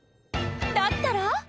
だったら？